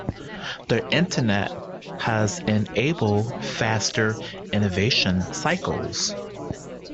The internet has enabled faster innovation cycles.